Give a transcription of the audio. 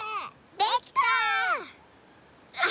できた！